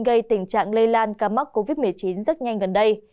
bây giờ tình trạng lây lan ca mắc covid một mươi chín rất nhanh gần đây